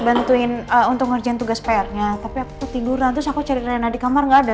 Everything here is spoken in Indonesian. bantuin untuk ngerjain tugas pr nya tapi aku tidur nanti aku cari rina di kamar enggak ada